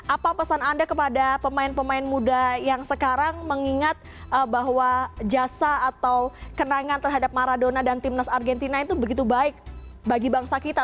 apa pesan anda kepada pemain pemain muda yang sekarang mengingat bahwa jasa atau kenangan terhadap maradona dan timnas argentina itu begitu baik bagi bangsa kita